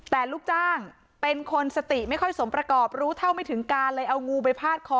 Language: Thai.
แต่ลูกจ้างเป็นคนสติไม่ค่อยสมประกอบรู้เท่าไม่ถึงการเลยเอางูไปพาดคอ